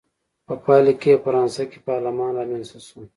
په پایله کې یې په فرانسه کې پارلمان رامنځته شو.